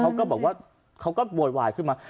เขาก็บอกว่าเขาก็โวยวายขึ้นมา